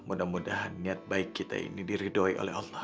mudah mudahan niat baik kita ini diridoi oleh allah